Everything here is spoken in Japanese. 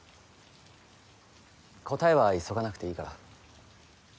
答えは急がなくていいから。